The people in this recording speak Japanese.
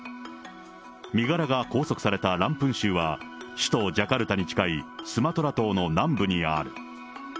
身柄が拘束されたランプン州は、首都ジャカルタに近いスマトラ島の南部にある。